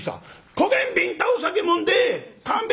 「こげんびんたをさげもんで勘弁